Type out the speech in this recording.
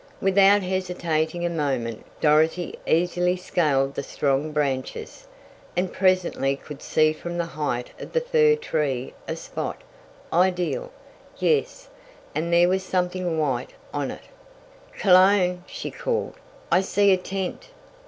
Without hesitating a moment, Dorothy easily scaled the strong branches, and presently could see from the height of the fir tree a spot ideal! Yes, and there was something white on it! "Cologne!" she called. "I see a tent!"